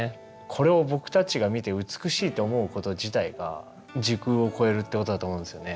これを僕たちが見て美しいと思うこと自体が時空を超えるってことだと思うんですよね。